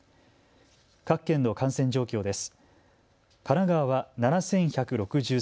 各県の感染状況です。